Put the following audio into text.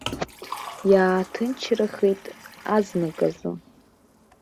Иааҭынчрахеит азныказы.